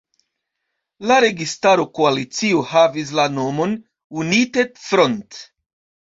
La registaro koalicio havis la nomon United Front.